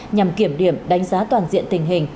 nhằm kiểm điểm đánh giá toàn diện tình hình